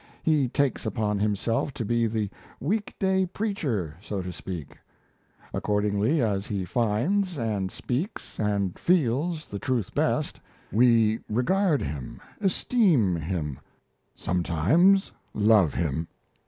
He takes upon himself to be the week day preacher, so to speak. Accordingly, as he finds, and speaks, and feels the truth best, we regard him, esteem him sometimes love him."